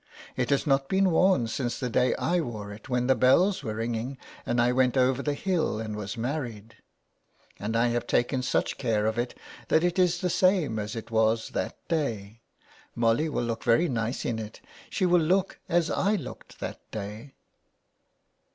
It has not been worn since the day I wore it when the bells were ringing, and I went over the hill and was married ) 251 THE WEDDING GOWN. and I have taken such care of it that it is the same as it was that day. Molly will look very nice in it; she will look as I looked that day."